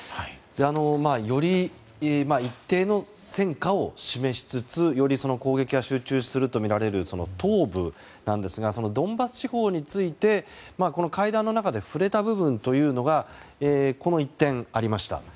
より一定の戦果を示しつつより攻撃が集中するとみられる東部ですがそのドンバス地方について会談の中で触れた部分というのがこの一点、ありました。